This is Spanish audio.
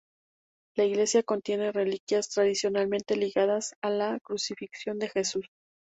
La iglesia contiene reliquias tradicionalmente ligadas a la Crucifixión de Jesús.